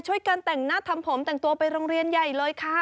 การแต่งหน้าทำผมแต่งตัวไปโรงเรียนใหญ่เลยค่ะ